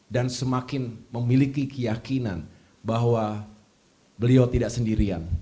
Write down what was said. dan semakin memiliki keyakinan bahwa beliau tidak sendirian